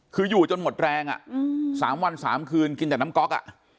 คืออยู่จนหมดแรงสามวันสามคืนกินจากน้ำก๊อก